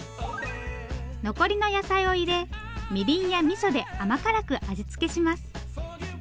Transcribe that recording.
残りの野菜を入れみりんやみそで甘辛く味付けします。